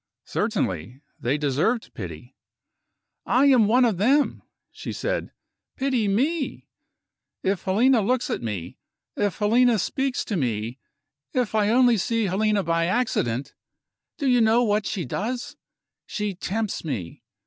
"Certainly! They deserved pity." "I am one of them!" she said. "Pity me. If Helena looks at me if Helena speaks to me if I only see Helena by accident do you know what she does? She tempts me!